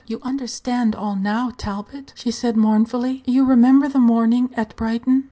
You understand all now, Talbot," she said mournfully. "You remember the morning at Brighton?"